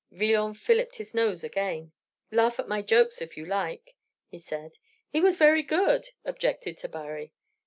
Villon filliped his nose again. "Laugh at my jokes, if you like," he said. "It was very good," objected Tabary.